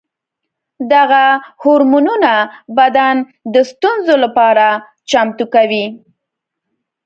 دغه هورمونونه بدن د ستونزو لپاره چمتو کوي.